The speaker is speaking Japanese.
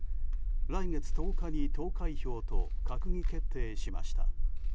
来月１０日に投開票と閣議決定しました。